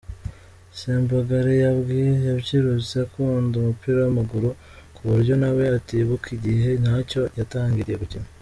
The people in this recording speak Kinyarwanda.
Sembagare yabyirutse akunda umupira w’amaguru, ku buryo nawe atibuka igihe nyacyo yatangiriye gukina.